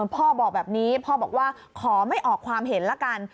พ่อบอกแบบนี้พ่อบอกว่าขอไม่ออกความเห็นละกัน